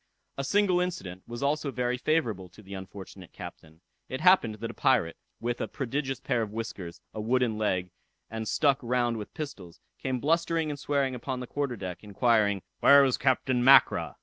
A single incident was also very favorable to the unfortunate captain. It happened that a pirate, with a prodigious pair of whiskers, a wooden leg, and stuck round with pistols, came blustering and swearing upon the quarter deck, inquiring "where was Captain Mackra."